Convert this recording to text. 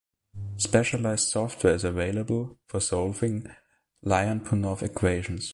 Specialized software is available for solving Lyapunov equations.